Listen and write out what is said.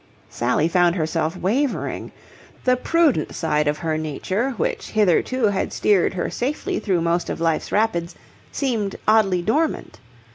Sally found herself wavering. The prudent side of her nature, which hitherto had steered her safely through most of life's rapids, seemed oddly dormant.